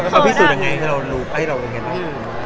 เขาพิสูจน์ยังไงให้เรารูปให้เราอย่างไร